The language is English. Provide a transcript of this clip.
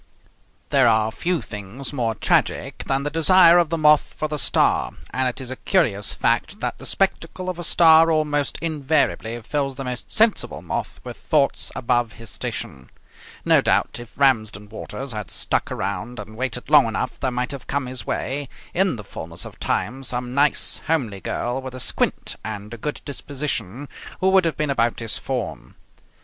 There are few things more tragic than the desire of the moth for the star; and it is a curious fact that the spectacle of a star almost invariably fills the most sensible moth with thoughts above his station. No doubt, if Ramsden Waters had stuck around and waited long enough there might have come his way in the fullness of time some nice, homely girl with a squint and a good disposition who would have been about his form.